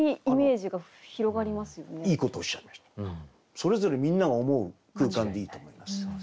それぞれみんなが思う空間でいいと思います。